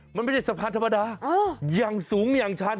มันไม่ใช่สะพานธรรมดาอย่างสูงอย่างชัน